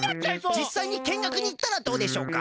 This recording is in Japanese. じっさいにけんがくにいったらどうでしょうか？